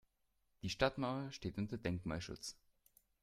Die Stadtmauer steht unter Denkmalschutz.